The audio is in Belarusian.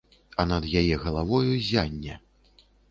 А над яе галавою ззянне.